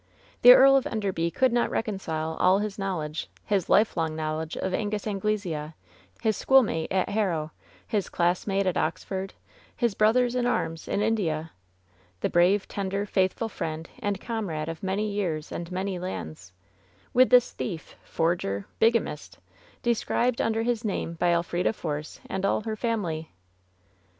The Earl of Enderby could not reconcile all his knowledge — ^his lifelong knowledge of Angus Anglesea, his schoolmate at Harrow ; his classmate at Oxford, his brother in arms in India, the brave, tender, faithful friend and comrade of many years and many lands — with this thief, forger, bigamist, described under his name by Elfrida Force and all her family.